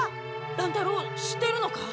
乱太郎知ってるのか？